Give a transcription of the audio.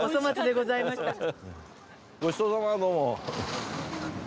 ごちそうさまどうも。